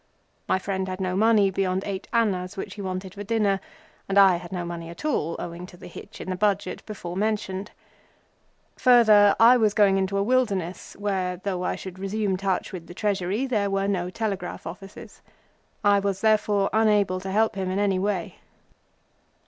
My friend had no money beyond eight annas which he wanted for dinner, and I had no money at all, owing to the hitch in the Budget before mentioned. Further, I was going into a wilderness where, though I should resume touch with the Treasury, there were no telegraph offices. I was, therefore, unable to help him in any way.